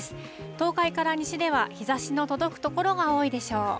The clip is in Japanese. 東海から西では、日ざしの届く所が多いでしょう。